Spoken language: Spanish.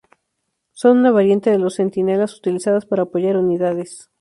Son una variante de los Centinelas utilizadas para apoyar unidades.